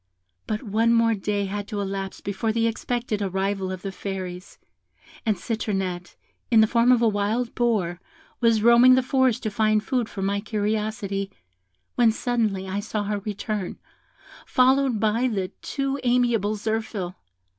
But one more day had to elapse before the expected arrival of the Fairies, and Citronette, in the form of a wild boar, was roaming the forest to find food for my curiosity, when suddenly I saw her return, followed by the too amiable Zirphil.